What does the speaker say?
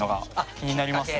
気になりますね。